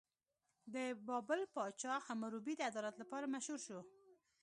د بابل پاچا حموربي د عدالت لپاره مشهور شو.